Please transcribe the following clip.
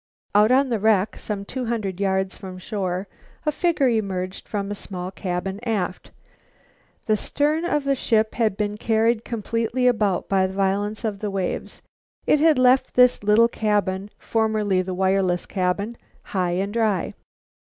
Out on the wreck, some two hundred yards from shore, a figure emerged from a small cabin aft. The stern of the ship had been carried completely about by the violence of the waves. It had left this little cabin, formerly the wireless cabin, high and dry.